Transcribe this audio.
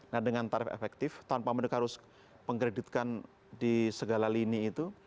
nah dengan tarif efektif tanpa mendekat pengkreditkan di segala lini itu